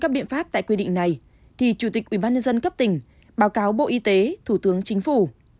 báo cáo bộ y tế thủ tướng chính phủ